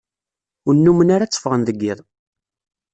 Ur nnumen ara tteffɣen deg iḍ.